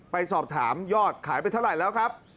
ไปสอบถามยอดขายไปเท่าไหร่แล้วครับ